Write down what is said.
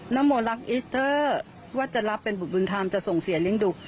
โมรักอิสเตอร์ว่าจะรับเป็นบุตรบุญธรรมจะส่งเสียเลี้ยงดู